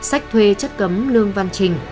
sách thuê chất cấm lương văn trinh